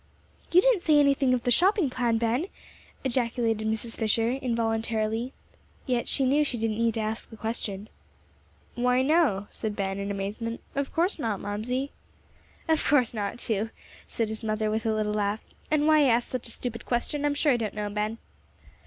"You didn't say anything of the shopping plan, Ben?" ejaculated Mrs. Fisher, involuntarily, yet she knew she didn't need to ask the question. "Why, no," said Ben, in amazement; "of course not, Mamsie." "Of course not, too," said his mother, with a little laugh; "and why I asked such a stupid question, I'm sure I don't know, Ben."